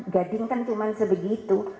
gading kan cuma sebegitu